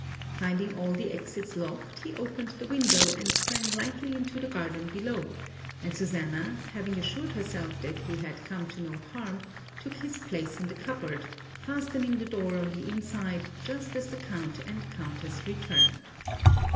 Finding all the exits locked, he opened the window and sprang lightly into the garden below; and Susanna, having assured herself that he had come to no harm, took his place in the cupboard, fastening the door on the inside just as the Count and Countess returned.